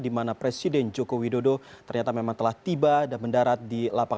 amat yani labuan banten